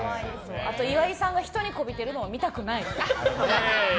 あと岩井さんが人にこびてるのを見たくない。